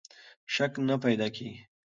شک نه پیدا کېږي.